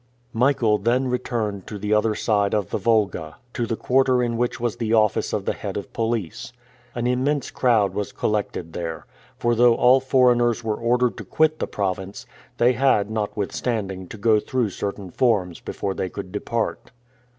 Michael then returned to the other side of the Volga, to the quarter in which was the office of the head of police. An immense crowd was collected there; for though all foreigners were ordered to quit the province, they had notwithstanding to go through certain forms before they could depart.